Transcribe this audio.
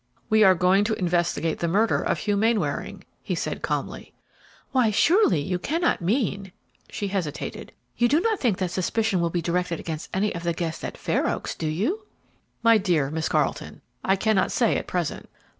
"We are going to investigate the murder of Hugh Mainwaring," he said, calmly. "Why, surely, you cannot mean " she hesitated. "You do not think that suspicion will be directed against any of the guests at Fair Oaks, do you?" "My dear Miss Carleton, I cannot say at present.